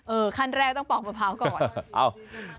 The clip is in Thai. ขั้นแรกต้องปอกมะพร้าวก่อน